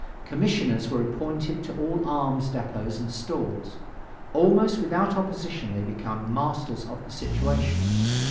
Commissioners were appointed to all arms depots and stores. Almost without opposition they became masters of the situation.